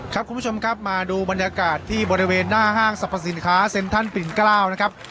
คุณผู้ชมครับมาดูบรรยากาศที่บริเวณหน้าห้างสรรพสินค้าเซ็นทรัลปิ่นเกล้านะครับ